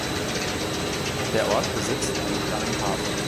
Der Ort besitzt einen kleinen Hafen.